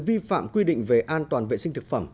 vi phạm quy định về an toàn vệ sinh thực phẩm